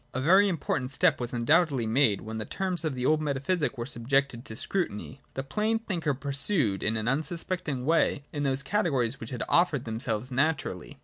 (i) A very important step was undoubtedly made, when the terms of the old metaphysic were subjected to scrutiny. The plain thinker pursued his unsuspecting way in those categories which had offered themselves naturally.